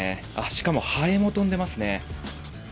しかもハエも飛んでますね。